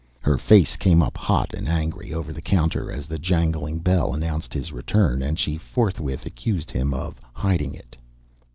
Her face came up hot and angry over the counter, as the jangling bell announced his return, and she forthwith accused him of "hiding it."